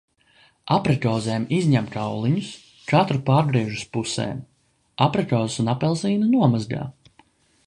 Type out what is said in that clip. Aprikozēm izņem kauliņus, katru pārgriež uz pusēm. Aprikozes un apelsīnu nomazgā.